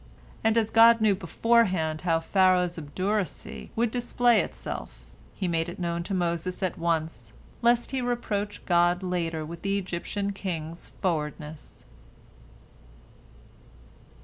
And as God knew beforehand how Pharaoh's obduracy would display itself, He made it known to Moses at once, lest he reproach God later with the Egyptian king's frowardness.